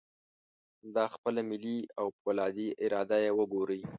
همدا خپله ملي او فولادي اراده یې وګورئ.